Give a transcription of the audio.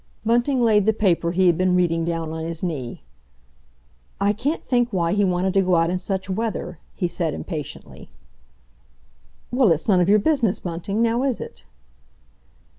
Bunting laid the paper he had been reading down on his knee. "I can't think why he wanted to go out in such weather," he said impatiently. "Well, it's none of your business, Bunting, now, is it?"